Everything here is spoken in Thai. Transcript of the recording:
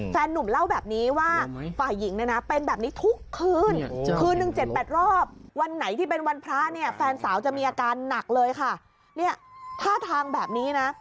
แฟนหนุ่มเล่าแบบนี้ว่าฝ่ายหญิงเนี่ยนะเป็นแบบนี้ทุกคืน